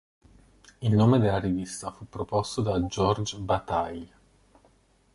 Il nome della rivista fu proposto da Georges Bataille.